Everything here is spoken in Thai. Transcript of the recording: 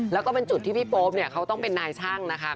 แล้วก็เป็นจุดที่พี่โป๊ปเนี่ยเขาต้องเป็นนายช่างนะคะ